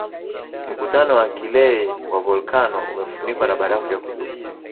Mkutano wa kilee wa volkano umefunikwa na barafu ya kudumu